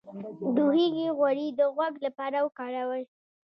د هوږې غوړي د غوږ لپاره وکاروئ